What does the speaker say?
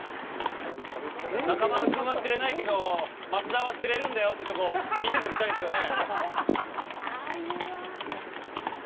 中丸君は釣れないけど、増田は釣れるんだよというところを見せておきたいですね。